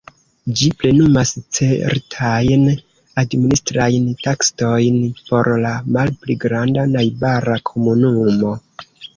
Ĝi plenumas certajn administrajn taskojn por la malpli granda najbara komunumo.